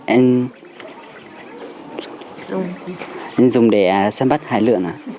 em dùng để xâm bắt hải lượng